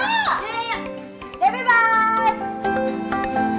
lagi lagi lagi mbak merna